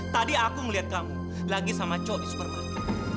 tadi aku ngeliat kamu lagi sama co di supermarket